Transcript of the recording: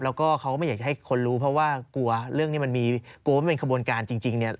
แล้วก็เขาก็ไม่อยากจะให้คนรู้เพราะว่ากลัวเรื่องนี้มันมีกลัวว่ามันเป็นขบวนการจริงเนี่ย